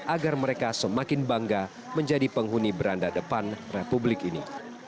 agar mereka semakin bangga menjadi penghuni beranda depan republik ini